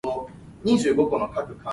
七仔笑八仔